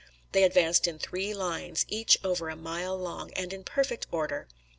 They advanced in three lines, each over a mile long, and in perfect order.